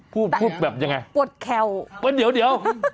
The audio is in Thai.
พูดแบบยังไงปวดแควว่าเดี๋ยว